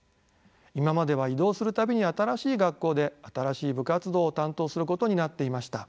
今までは異動する度に新しい学校で新しい部活動を担当することになっていました。